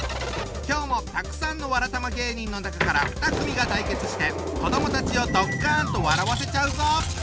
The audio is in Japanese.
今日もたくさんのわらたま芸人の中から２組が対決して子どもたちをドッカンと笑わせちゃうぞ！